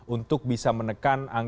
untuk bisa menekan penerbangan